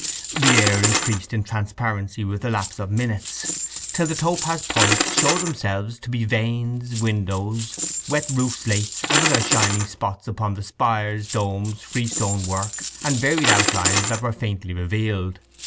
The air increased in transparency with the lapse of minutes, till the topaz points showed themselves to be the vanes, windows, wet roof slates, and other shining spots upon the spires, domes, freestone work, and varied outlines that were faintly revealed.